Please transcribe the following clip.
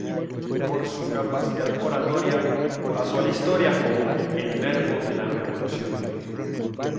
Por su capacidad oratoria, pasó a la historia como "El Verbo de la revolución".